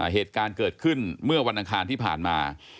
เหตุการณ์เกิดขึ้นเมื่อวันอังคารที่ผ่านมา